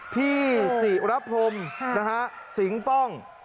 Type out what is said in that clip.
พี่ศรีรัพพรมสิงห์ป้อง